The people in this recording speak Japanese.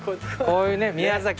こういうね宮崎。